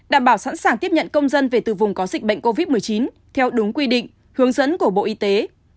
đảm bảo sẵn sàng tiếp nhận công dân về từ vùng có dịch bệnh covid một mươi chín theo đúng quy định hướng dẫn của bộ y tế